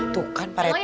tuh kan pak rt